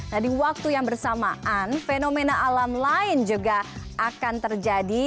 nah di waktu yang bersamaan fenomena alam lain juga akan terjadi